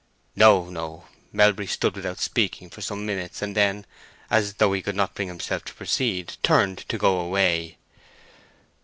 "No, no." Melbury stood without speaking for some minutes, and then, as though he could not bring himself to proceed, turned to go away.